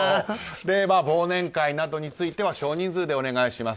忘年会などについては少人数でお願いします。